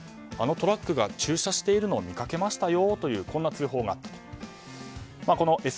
あのトラックが駐車しているのを見かけましたよという通報があったと。